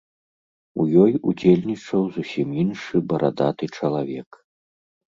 У ёй удзельнічаў зусім іншы барадаты чалавек.